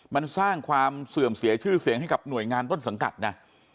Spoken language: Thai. มันสร้างความเสื่อมเสียชื่อเสียงให้กับหน่วยงานต้นสังกัดนะ